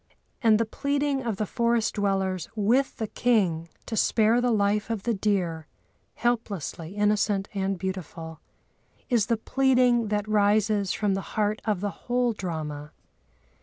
And the pleading of the forest dwellers with the king to spare the life of the deer, helplessly innocent and beautiful, is the pleading that rises from the heart of the whole drama.